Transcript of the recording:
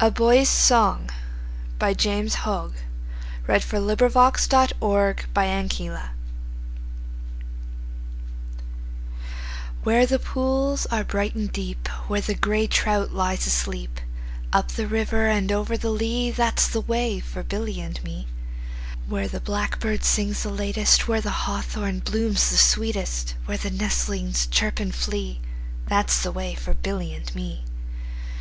English Verse: 1250–1900. James Hogg. 1770–1835 513. A Boy's Song WHERE the pools are bright and deep, Where the grey trout lies asleep, Up the river and over the lea, That 's the way for Billy and me. Where the blackbird sings the latest, 5 Where the hawthorn blooms the sweetest, Where the nestlings chirp and flee, That 's the way for Billy and me.